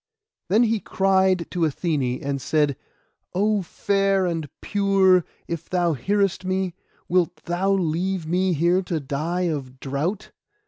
Then he cried to Athené, and said— 'Oh, fair and pure, if thou hearest me, wilt thou leave me here to die of drought?